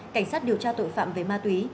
cảnh sát điều tra tội phạm về ma túy